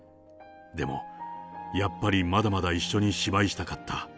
でも、やっぱりまだまだ一緒に芝居したかった。